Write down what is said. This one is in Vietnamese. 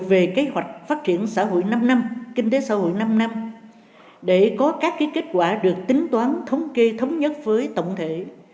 về kế hoạch phát triển xã hội năm năm kinh tế xã hội năm năm để có các kết quả được tính toán thống kê thống nhất với tổng thể